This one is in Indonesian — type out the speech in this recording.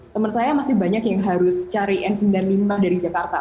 teman saya masih banyak yang harus cari n sembilan puluh lima dari jakarta